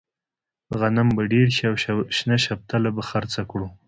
غنم به ډېر شي او شنه شفتله به خرڅه کړو.